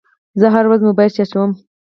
زه هره ورځ موبایل چارجوم.